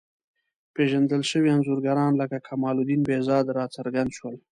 پېژندل شوي انځورګران لکه کمال الدین بهزاد راڅرګند شول.